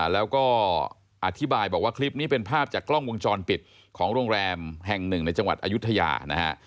แล้วก็อธิบายบอกว่าคลิปนี้เป็นภาพจากกล้องวงจรปิดของโรงแรมแห่งหนึ่งในจังหวัดอายุทยานะฮะ